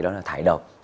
đó là thải độc